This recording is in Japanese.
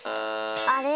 あれ？